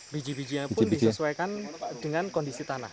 biji bijinya pun disesuaikan dengan kondisi tanah